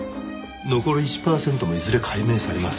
残り１パーセントもいずれ解明されます。